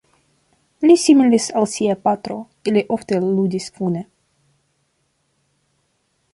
Li similis al sia patro, ili ofte ludis kune.